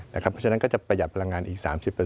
เพราะฉะนั้นก็จะประหยัดพลังงานอีก๓๐